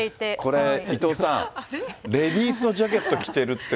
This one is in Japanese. これ、伊藤さん、レディースのジャケット着てるって。